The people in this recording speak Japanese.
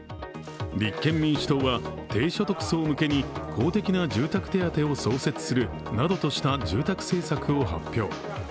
立憲民主党は、低所得層向けに公的な住宅手当を創設するなどとした住宅政策を発表。